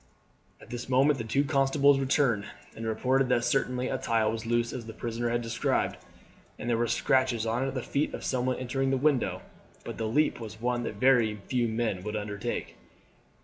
At this moment the two constables returned, and reported that certainly a tile was loose as the prisoner had described, and there were scratches as if of the feet of someone entering the window, but the leap was one that very few men would undertake.